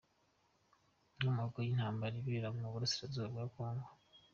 Inkomoko y’intambara ibera mu burasirazuba bwa Kongo.